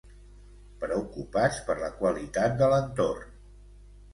Preocupats per la qualitat de l'entorn.